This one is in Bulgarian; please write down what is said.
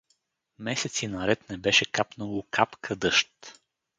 Месеци наред не беше капнало капка дъжд.